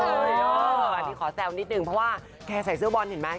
อันนี้ขอแซวนิดนึงเพราะว่าแกใส่เสื้อบอลเห็นไหม